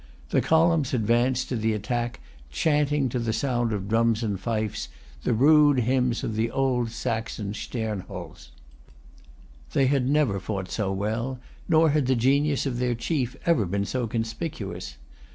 The columns advanced to the attack chanting, to the sound of drums and fifes, the rude hymns of the old Saxon Sternholds. They had never fought so well; nor had the genius of their chief ever been so conspicuous.